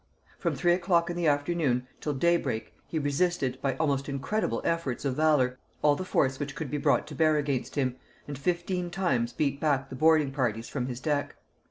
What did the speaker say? From three o'clock in the afternoon till day break he resisted, by almost incredible efforts of valor, all the force which could be brought to bear against him, and fifteen times beat back the boarding parties from his deck.